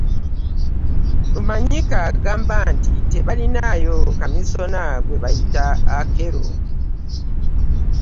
Rumanyika agamba nti tebalinaayo Kamisona gwe bayita Akello